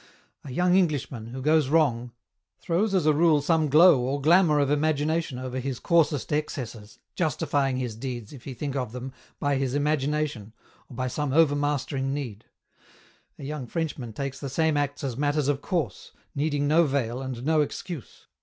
A young Englishman, who goes wrong, throws as a rule some glow or glamour of imagination over his coarsest excesses, justifying his deeds, if he think of them, by his imagination, or by some over mastering need ; a young Frenchman takes the same acts as matters of course, needing no veil, and no excuse.